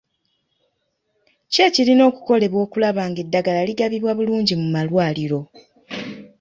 Ki ekirina okukolebwa okulaba nga eddagala ligabibwa bulungi mu malwaliro?